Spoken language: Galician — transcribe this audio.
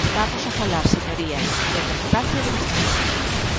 Estamos a falar, señorías, de democracia e de paz.